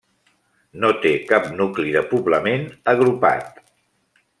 No té cap nucli de poblament agrupat.